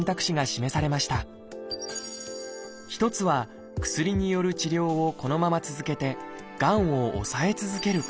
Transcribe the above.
一つは薬による治療をこのまま続けてがんを抑え続けること。